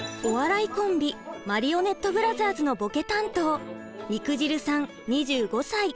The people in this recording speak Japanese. お笑いコンビマリオネットブラザーズのぼけ担当肉汁さん２５歳。